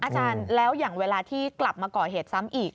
อาจารย์แล้วอย่างเวลาที่กลับมาก่อเหตุซ้ำอีก